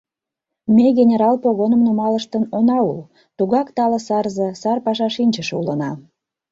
Ме генерал погоным нумалыштын она ул: тугак тале сарзе, сар паша шинчыше улына...